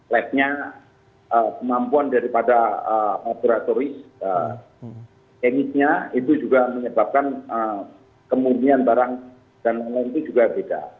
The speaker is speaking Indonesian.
labnya kemampuan dari pada operatoris teknisnya itu juga menyebabkan kemurnian barang dan lain lain itu juga beda